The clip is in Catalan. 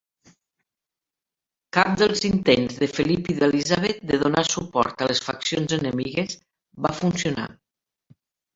Cap dels intents de Felip i d'Elisabet de donar suport a les faccions enemigues va funcionar.